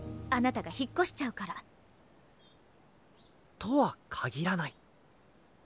あなたが引っ越しちゃうから。とは限らない。